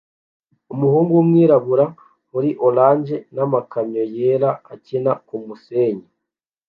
Umuhungu wumwirabura muri orange namakamyo yera akina kumusenyi